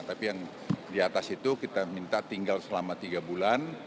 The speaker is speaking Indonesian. tapi yang di atas itu kita minta tinggal selama tiga bulan